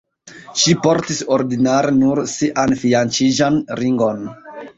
Ŝi portis ordinare nur sian fianĉiĝan ringon.